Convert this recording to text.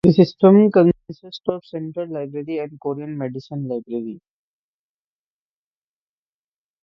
The system consists of Central Library and Korean Medicine Library.